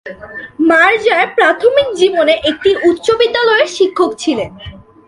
মির্জার প্রাথমিক জীবনে একটি উচ্চ বিদ্যালয়ের শিক্ষক ছিলেন।